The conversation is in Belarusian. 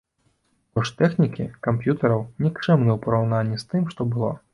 Кошт тэхнікі, камп'ютараў нікчэмны ў параўнанні з тым, што было.